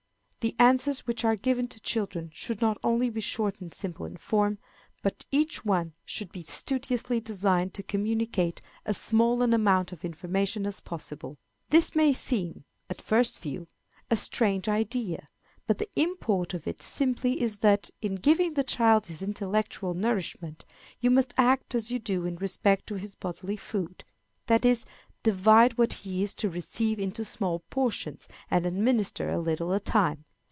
The answers which are given to children should not only be short and simple in form, but each one should be studiously designed to communicate as small an amount of information as possible. [Illustration: "MOTHER, WHAT MAKES IT SNOW?"] This may seem, at first view, a strange idea, but the import of it simply is that, in giving the child his intellectual nourishment, you must act as you do in respect to his bodily food that is, divide what he is to receive into small portions, and administer a little at a time.